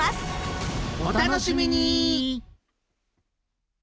お楽しみに！